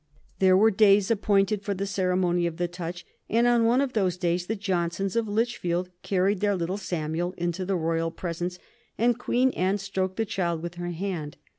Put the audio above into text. There were days appointed for the ceremony of the touch, and on one of those days the Johnsons of Lichfield carried their little Samuel into the royal presence, and Queen Anne stroked the child with her hand.